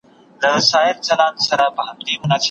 خلکو خپلو تېروتنو ته بخښنه غوښته.